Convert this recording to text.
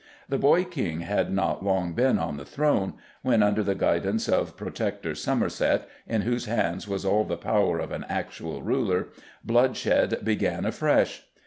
The boy King had not long been on the throne, when, under the guidance of Protector Somerset, in whose hands was all the power of an actual ruler, bloodshed began afresh.